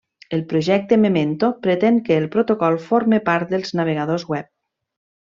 El projecte Memento pretén que el protocol forme part dels navegadors web.